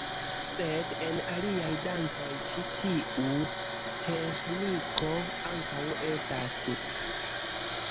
Sed en aliaj dancoj ĉi tiu teĥniko ankaŭ estas uzata.